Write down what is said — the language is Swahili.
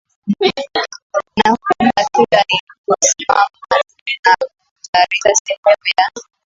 na kumla Kila niliposimama na kutayarisha sehemu ya